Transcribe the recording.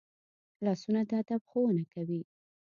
لاسونه د ادب ښوونه کوي